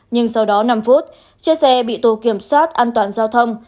nhưng sau đó năm phút chiếc xe bị tổ kiểm soát an toàn giao thông